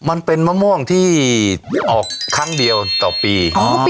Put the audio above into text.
มันเป็นมะม่วงที่ออกครั้งเดียวต่อปี